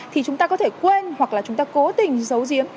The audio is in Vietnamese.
thì chúng ta có thể quên hoặc là chúng ta cố tình giấu giếng